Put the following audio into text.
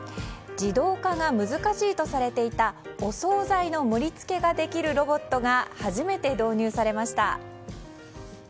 自動化が難しいとされていたお総菜の盛り付けができるロボットが初めて導入されました。